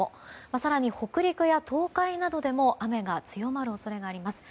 更に、北陸や東海などでも雨の強まる恐れがあります。